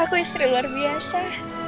aku istri luar biasa